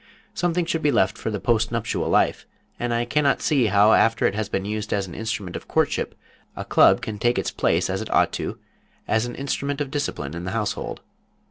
Something should be left for the post nuptial life, and I cannot see how after it has been used as an instrument of courtship a club can take its place as it ought to as an instrument of discipline in the household.